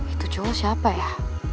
itu cowok siapa ya